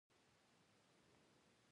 دا امکان په بشپړه توګه نشي رد کېدای.